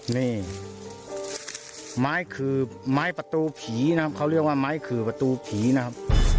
นี่ไม้ขื่อไม้ประตูผีนะครับเขาเรียกว่าไม้ขื่อประตูผีนะครับ